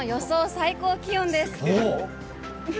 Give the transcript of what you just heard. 最高気温です。